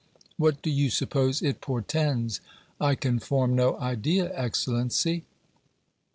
"What do you suppose it portends?" "I can form no idea, Excellency."